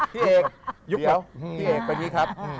พี่เอกเป็นอย่างนี้ครับ